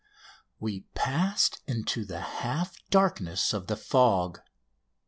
We passed into the half darkness of the fog.